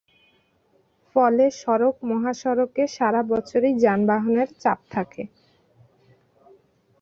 ফলে সড়ক মহাসড়কে সারা বছরই যানবাহনের চাপ থাকে।